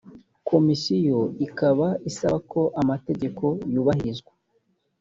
komisiyo ikaba isaba ko amategeko yubahirizwa